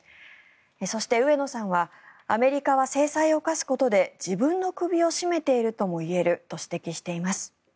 そして、上野さんはアメリカは制裁を科すことで自分の首を絞めているとも言えると指摘しています。